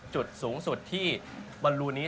จุดสูงสุดที่บอลลูนี้